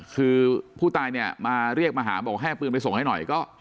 คือผู้ตายเนี่ยมาเรียกมาหาบอกให้เอาปืนไปส่งให้หน่อยก็